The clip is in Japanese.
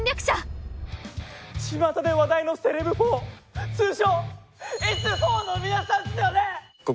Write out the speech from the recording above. ちまたで話題のセレブ４通称Ｓ４の皆さんですよね？